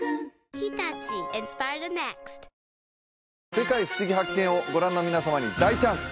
「世界ふしぎ発見！」をご覧の皆様に大チャンス！